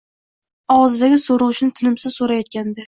Og‘zidagi so‘rg‘ichni tinimsiz so‘rayotgandi.